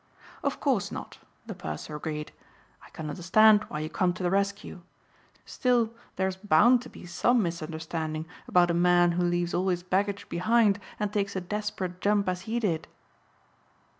"Of course not," the purser agreed. "I can understand why you come to the rescue; still there is bound to be some misunderstanding about a man who leaves all his baggage behind and takes a desperate jump as he did."